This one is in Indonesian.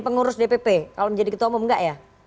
pengurus dpp kalau menjadi ketua umum enggak ya